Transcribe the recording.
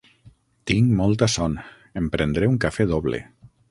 Tinc molta son: em prendré un cafè doble.